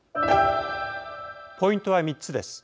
ポイントは３つです。